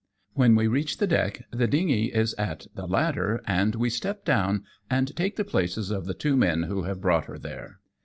When we reach the deck the dingy is at the ladder, and we step down and take the places of the two men who have brought her there.